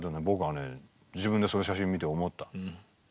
僕はね自分でそういう写真見て思った。